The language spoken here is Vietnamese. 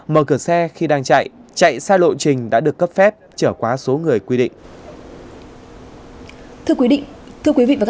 mở cửa xe khi đang chạy chạy xa lộ trình đã được cấp phép trở quá số người quy định